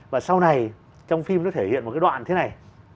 và sau này trong phim nó thể hiện một cái đoạn thế này